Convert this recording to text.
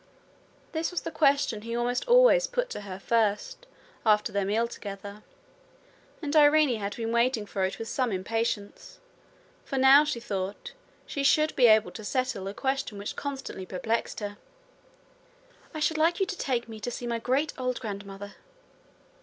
This was the question he almost always put to her first after their meal together; and Irene had been waiting for it with some impatience, for now, she thought, she should be able to settle a question which constantly perplexed her. 'I should like you to take me to see my great old grandmother.'